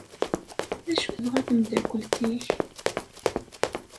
D acu tebɣa temeddakelt-ik?